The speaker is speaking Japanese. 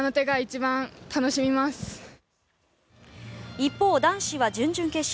一方、男子は準々決勝。